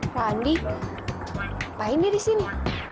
randi ngapain dia di sini